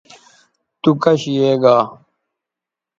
تو کش یے گا